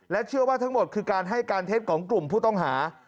เชื่อว่าทั้งหมดคือการให้การเท็จของกลุ่มผู้ต้องหา